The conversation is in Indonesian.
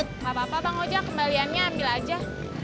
gak apa apa bang ojak kembaliannya ambil aja